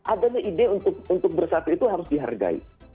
adanya ide untuk bersatu itu harus dihargai